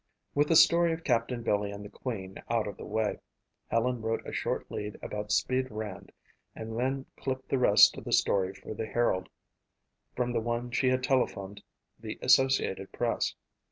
With the story of Captain Billy and the Queen out of the way, Helen wrote a short lead about "Speed" Rand and then clipped the rest of the story for the Herald from the one she had telephoned the Associated Press.